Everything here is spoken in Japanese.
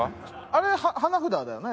あれ花札だよな？